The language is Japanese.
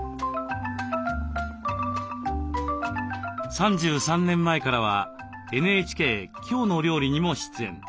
３３年前からはＮＨＫ「きょうの料理」にも出演。